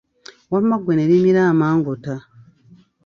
Wamma ggwe ne limira amangota.